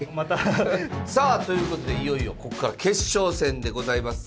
さあということでいよいよここから決勝戦でございます。